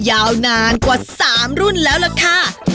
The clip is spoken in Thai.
ยาวนานกว่า๓รุ่นแล้วล่ะค่ะ